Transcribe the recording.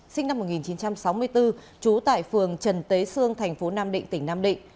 sinh năm một nghìn chín trăm sáu mươi bốn trú tại phường trần tế sương thành phố nam định tỉnh nam định